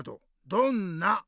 「どんな？」。